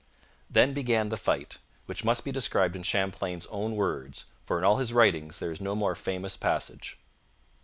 Then began the fight, which must be described in Champlain's own words, for in all his writings there is no more famous passage.